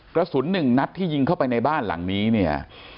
กระสุนหนึ่งนัดที่ยิงเข้าไปในบ้านหลังนี้เนี่ย